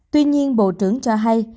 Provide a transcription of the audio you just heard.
tuy nhiên bộ trưởng cho hay